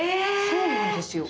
そうなんですよ。